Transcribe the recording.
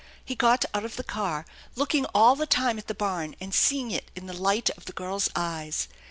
He got out of the car, looking all the time at the barn and seeing it in the light of the girl's eyes.